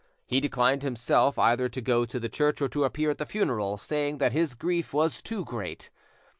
He declined himself either to go to the church or to appear at the funeral, saying that his grief was too great.